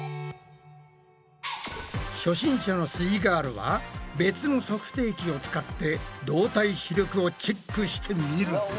初心者のすイガールは別の測定機を使って動体視力をチェックしてみるぞ。